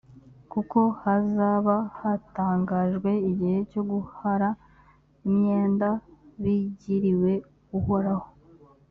kuko hazaba hatangajwe igihe cyo guhara imyenda, bigiriwe uhoraho.